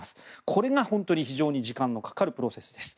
これが本当に非常に時間がかかるプロセスです。